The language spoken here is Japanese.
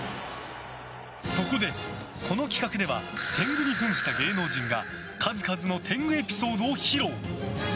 そこで、この企画では天狗に扮した芸能人が数々の天狗エピソードを披露。